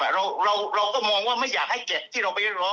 เราก็มองว่าไม่อยากให้เก็บที่เราไปเรียกร้อง